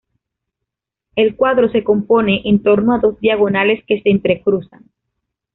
El cuadro se compone en torno a dos diagonales que se entrecruzan.